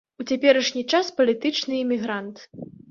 У цяперашні час палітычны эмігрант.